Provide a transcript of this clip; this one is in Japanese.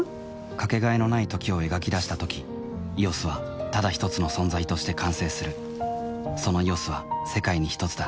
かけがえのない「時」を描き出したとき「ＥＯＳ」はただひとつの存在として完成するその「ＥＯＳ」は世界にひとつだ